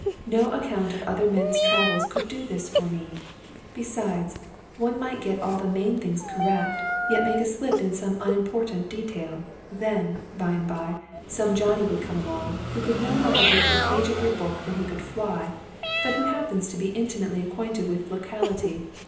No account of other men's travels could do this for me. Besides, one might get all the main things correct, yet make a slip in some little unimportant detail. Then, by and by, some Johnny would come along, who could no more have written a page of your book than he could fly, but who happens to be intimately acquainted with the locality.